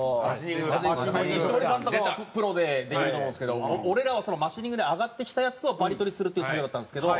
西森さんとかはプロでできると思うんですけど俺らはそのマシニングで上がってきたやつをバリ取りするっていう作業だったんですけど。